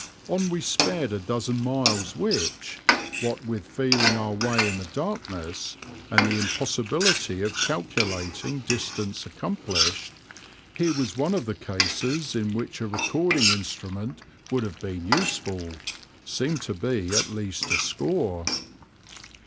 On we sped a dozen miles which, what with feeling our way in the darkness and the impossibility of calculating distance accomplished, here was one of the cases in which a recording instrument would have been useful, seemed to be at least a score.